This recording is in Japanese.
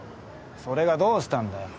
それがどうしたんだよ。